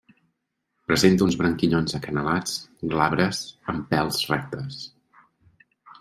Presenta uns branquillons acanalats, glabres, amb pèls rectes.